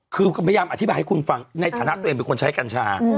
คือพยายามอธิบายให้คุณฟังในฐานะตัวเองเป็นคนใช้กัญชา